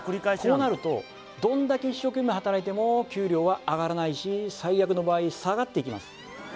こうなるとどんだけ一生懸命働いても給料は上がらないし最悪の場合下がっていきます